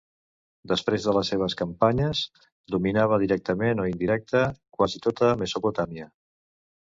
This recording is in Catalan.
Després de les seves campanyes dominava directament o indirecta quasi tota Mesopotàmia.